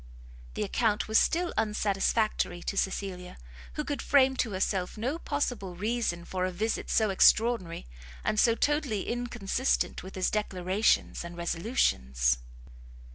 The account was still unsatisfactory to Cecilia, who could frame to herself no possible reason for a visit so extraordinary, and so totally inconsistent with his declarations and resolutions.